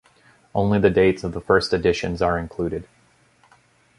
Only the dates of the first editions are included.